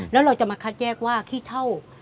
แล้วเราจะมาคัดแยกว่าขี้เท่า